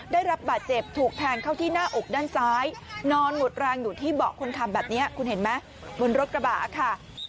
ได้รับบาดเจ็บถูกแทงเข้าที่หน้าอกด้านซ้ายนอนหมดแรงอยู่ที่เบาะคนขับแบบนี้คุณเห็นไหมบนรถกระบะค่ะ